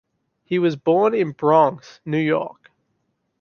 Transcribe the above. He was born in Bronx, New York.